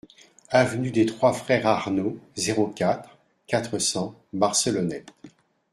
Avenue des Trois Frères Arnaud, zéro quatre, quatre cents Barcelonnette